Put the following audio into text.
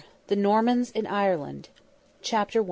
THE NORMANS IN IRELAND. CHAPTER I.